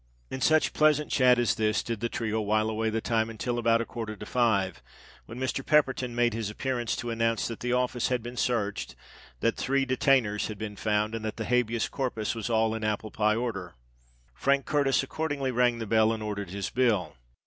In such pleasant chat as this, did the trio while away the time until about a quarter to five, when Mr. Pepperton made his appearance to announce that the office had been searched, that three detainers had been found, and that the habeas corpus was all in apple pie order. Frank Curtis accordingly rang the bell, and ordered his bill.